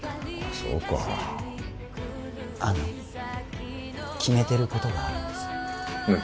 そうかあの決めてることがあるんです何だ？